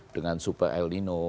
dengan super el nino